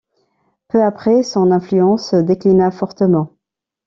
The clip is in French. Peu après, son influence déclina fortement.